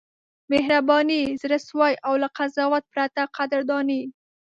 مهرباني، زړه سوی او له قضاوت پرته قدرداني: